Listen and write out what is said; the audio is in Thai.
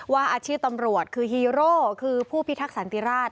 ว่าอาชีพตำรวจคือฮีโร่คือผู้พิทักษันติราช